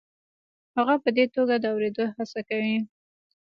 هغه په دې توګه د اورېدو هڅه کوي.